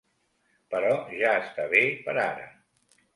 Però ja està bé per ara.